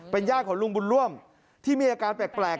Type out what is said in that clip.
ญาติของลุงบุญร่วมที่มีอาการแปลก